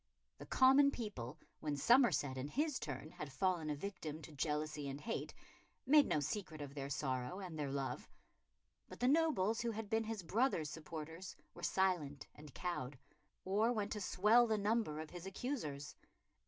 The common people, when Somerset in his turn had fallen a victim to jealousy and hate, made no secret of their sorrow and their love; but the nobles who had been his brother's supporters were silent and cowed, or went to swell the number of his accusers.